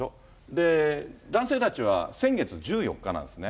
で、男性たちは先月１４日なんですね。